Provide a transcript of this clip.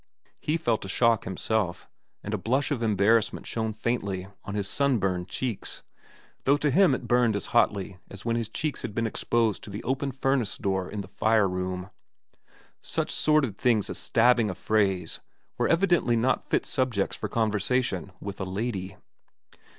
He felt a shock himself, and a blush of embarrassment shone faintly on his sunburned cheeks, though to him it burned as hotly as when his cheeks had been exposed to the open furnace door in the fire room. Such sordid things as stabbing affrays were evidently not fit subjects for conversation with a lady.